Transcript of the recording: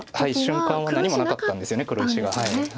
瞬間は何もなかったんですよね黒石が。